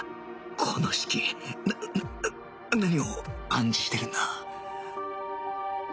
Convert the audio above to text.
この式なな何を暗示してるんだ？